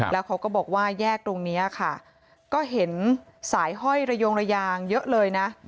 แล้วเขาก็บอกว่าแยกตรงนี้ค่ะก็เห็นสายห้อยระยงระยางเยอะเลยนะ